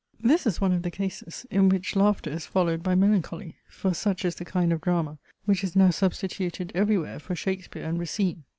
this is one of the cases, in which laughter is followed by melancholy: for such is the kind of drama, which is now substituted every where for Shakespeare and Racine.